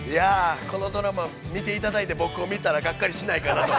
◆このドラマ見ていただいて僕を見たらがっかりしないかなと。